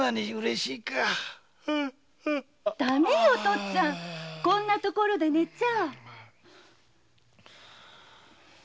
だめよお父っつぁんこんな所で寝ちゃ。